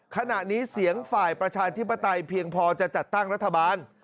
ขณะนี้เสียงฝ่ายประชาธิปไตยเพียงพอจะจัดตั้งรัฐบาล